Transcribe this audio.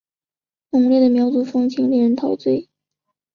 浓烈的苗族风情令人陶醉。